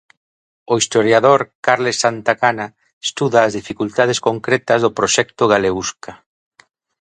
O historiador Carles Santacana estuda as dificultades concretas do proxecto Galeusca.